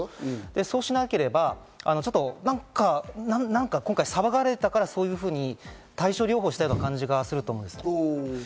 そうしなければなんか今回、騒がれたからそういうふうに対処療法をしたような感じがすると思います。